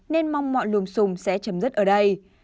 nên mong mọi lùm xùm sẽ chấm dứt ở đây